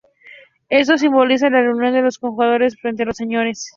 Esto simbolizaba la unión de los conjurados frente a los Señores.